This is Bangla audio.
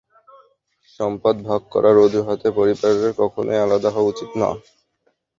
সম্পদ ভাগ করার অজুহাতে পরিবারের কখনোই আলাদা হওয়া উচিত না।